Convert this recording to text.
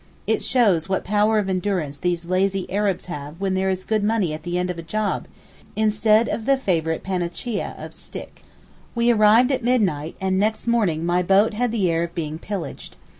It shows what power of endurance these 'lazy Arabs' have when there is good money at the end of a job, instead of the favourite panacea of 'stick.' We arrived at midnight and next morning my boat had the air of being pillaged.